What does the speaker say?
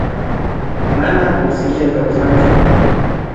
Mana kushilla kawsanllu